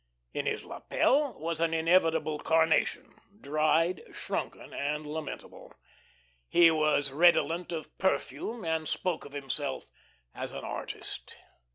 In his lapel was an inevitable carnation, dried, shrunken, and lamentable. He was redolent of perfume and spoke of himself as an artist.